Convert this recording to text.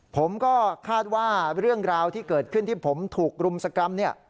ผมก็คาดว่าเรื่องราวที่เกิดขึ้นที่ผมถูกรุมสกรรมเนี่ย